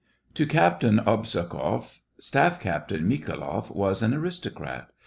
To Captain Obzhogoff, Staff Captain MikhaYloff was an aristocrat.